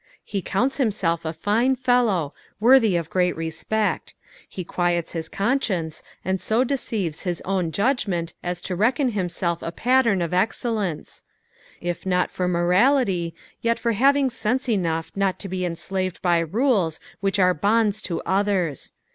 He counts himself a fine fellow, worthy of great respect. He quiets his conscience, and so deceives his own judgment as to reckon himself a pattern of excellence ; if not for morality, yet for having sense enough not to be enslaved by rules which are bonds to others.